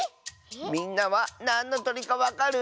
みんなはなんのとりかわかる？